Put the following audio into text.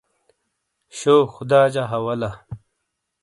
شو خدا جا حوالا